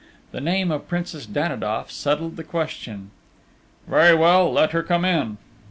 The name of Princess Danidoff settled the question. "Very well, let her come in!"